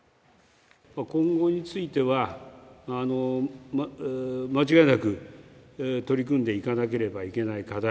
今後については、間違いなく取り組んでいかなければいけない課題